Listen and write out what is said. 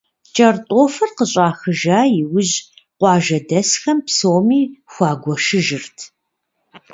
Кӏэртӏофыр къыщӏахыжа иужь, къуажэдэсхэм псоми хуагуэшыжырт.